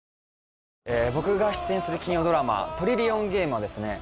僕が出演する金曜ドラマ「トリリオンゲーム」はですね